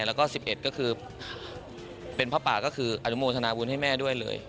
แล้วก็๑๑ก็คือเป็นพระป่าก็คืออนุโมทนาบุญให้แม่ด้วยเลย